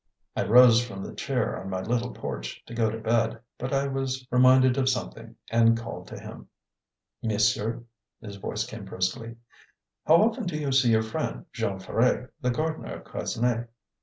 I rose from the chair on my little porch, to go to bed; but I was reminded of something, and called to him. "Monsieur?" his voice came briskly. "How often do you see your friend, Jean Ferret, the gardener of Quesnay?"